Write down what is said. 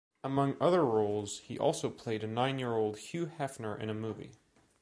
Among other roles, he also played a nine-year-old Hugh Hefner in a movie.